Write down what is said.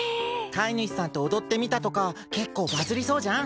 飼い主さんと踊ってみたとか結構バズりそうじゃん？